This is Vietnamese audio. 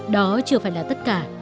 đó chưa phải là tất cả